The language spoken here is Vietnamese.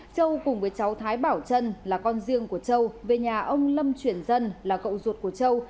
châu cùng với cháu thái bảo trân là con riêng của châu về nhà ông lâm chuyển dân là cậu ruột của châu